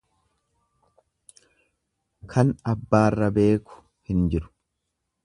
Kan abbaara beeku hin jiru.